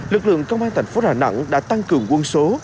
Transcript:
lực lượng công an thành phố đà nẵng đã tăng cường quân số